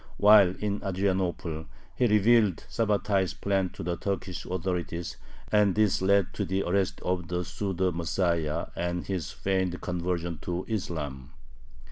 While in Adrianople he revealed Sabbatai's plans to the Turkish authorities, and this led to the arrest of the pseudo Messiah and his feigned conversion to Islam.